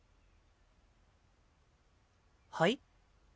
はい？